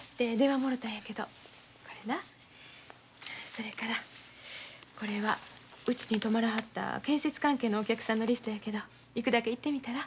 それからこれはうちに泊まらはった建設関係のお客さんのリストやけど行くだけ行ってみたら？